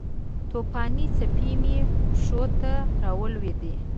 توپانې څپې مې پښو ته راولویدې